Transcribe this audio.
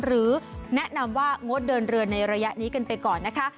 หรือแนะนำว่างดเดินเรือในระยะนี้กันไปก่อนนะคะ